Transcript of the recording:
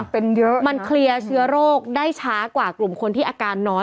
เป็นเยอะมันเคลียร์เชื้อโรคได้ช้ากว่ากลุ่มคนที่อาการน้อย